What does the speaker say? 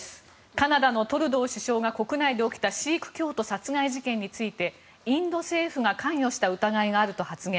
カナダのトルドー首相が国内で起きたシーク教徒殺害事件についてインド政府が関与した可能性があると発言。